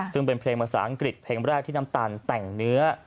ซึ่งเป็นเพลงภาษาอังกฤษเพลงแรกที่น้ำตาลแต่งเนื้อ